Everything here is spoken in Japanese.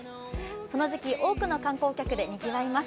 その時期、多くの観光客でにぎわいます。